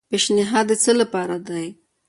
پیشنھاد د څه لپاره دی؟